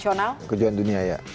ini kejuaraan internasional